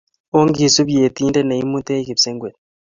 Ongisub Yetindet ne immutech kipsengwet